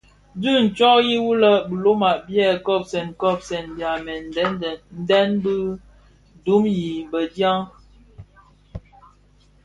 Dhi ntsoyi wu lè biloma biè kobsèn kobsèn tyamèn deň bi duň yi bëdiaň.